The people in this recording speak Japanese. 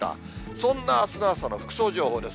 そんなあすの朝の服装情報です。